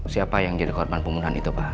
siapa yang jadi korban pembunuhan itu pak